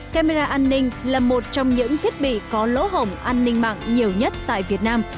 camera an ninh là một trong những thiết bị có lỗ hồng an ninh mạng nhiều nhất tại việt nam